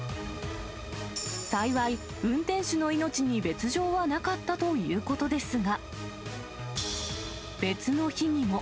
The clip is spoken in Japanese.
幸い、運転手の命に別状はなかったということですが。